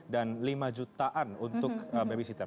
dan lima jutaan untuk babysitter